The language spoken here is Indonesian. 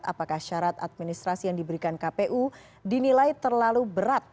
apakah syarat administrasi yang diberikan kpu dinilai terlalu berat